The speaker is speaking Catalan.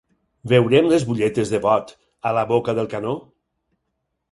Veurem les butlletes de vot a la boca del canó?